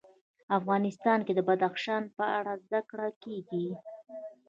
افغانستان کې د بدخشان په اړه زده کړه کېږي.